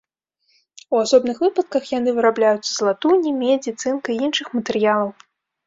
У асобных выпадках яны вырабляюцца з латуні, медзі, цынка і іншых матэрыялаў.